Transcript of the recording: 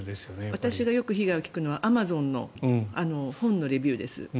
私がよく被害を聞くのはアマゾンの本のレビューです。